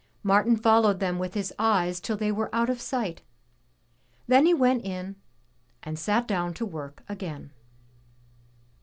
Martin followed them with his eyes till they were out of sight, then he went in and sat down to work again.